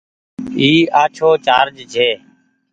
اي آڇهو چآرج ڇي۔